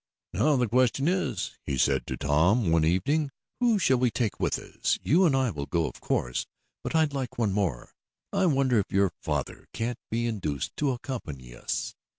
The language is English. "Now the question is," he said to Tom one evening, "who shall we take with us? You and I will go, of course, but I'd like one more. I wonder if your father can't be induced to accompany us?